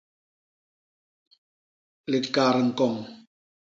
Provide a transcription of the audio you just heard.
Likat ñkoñ.